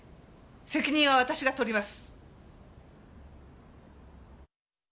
責任は私が取ります。